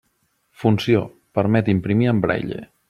Funció: permet imprimir en braille.